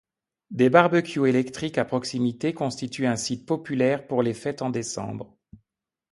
Des barbecues électriques à proximité constituent un site populaire pour les fêtes en décembre.